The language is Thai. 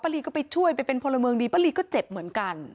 รีก็ไปช่วยไปเป็นพลเมืองดีป้าลีก็เจ็บเหมือนกัน